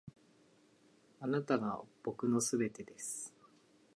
あなたが僕の全てです．